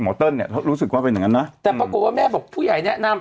เติ้ลเนี่ยเขารู้สึกว่าเป็นอย่างนั้นนะแต่ปรากฏว่าแม่บอกผู้ใหญ่แนะนำ